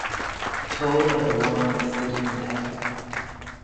The toll of the war on the city was heavy.